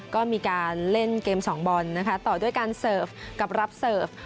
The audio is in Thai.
ก็มีการเล่นเกมสองบอลนะคะต่อด้วยการเสิร์ฟกับรับเสิร์ฟ